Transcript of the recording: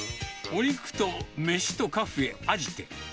お肉とめしとカフェあじて。